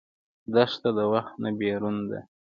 دښته د وخت نه بېرون ده.